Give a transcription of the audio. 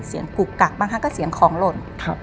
เสียงกุกกักบ้างฮะก็เสียงคลองหล่น